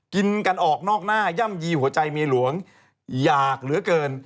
กินกันออกนอกหน้าย่ำยีหัวใจเมียหลวงอยากเหลือเกิน